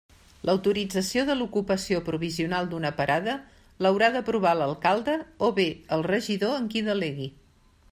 L'autorització de l'ocupació provisional d'una parada l'haurà d'aprovar l'alcalde o bé, el regidor en qui delegui.